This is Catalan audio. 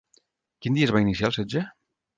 Quin dia es va iniciar el setge?